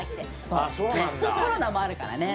そうコロナもあるからね